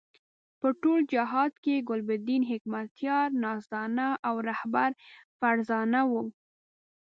په ټول جهاد کې ګلبدین حکمتیار نازدانه او رهبر فرزانه وو.